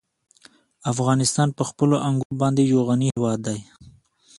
افغانستان په خپلو انګورو باندې یو غني هېواد دی.